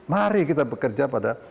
mari kita bekerja pada